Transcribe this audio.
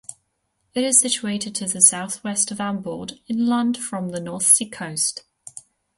It is situated to the south-west of Amble, inland from the North Sea coast.